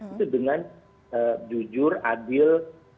itu dengan jujur adil